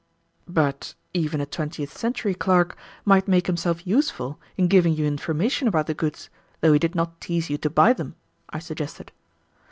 "But even a twentieth century clerk might make himself useful in giving you information about the goods, though he did not tease you to buy them," I suggested.